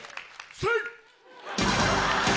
セイ！